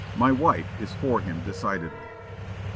My wife is for him decidedly."